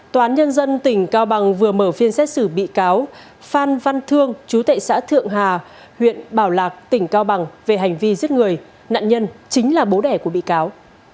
tòa án nhân dân tỉnh cao bằng vừa mở phiên xét xử bị cáo phan văn thương chú tệ xã thượng hà huyện bảo lạc tỉnh cao bằng về hành vi giết người nạn nhân chính là bố đẻ của bị cáo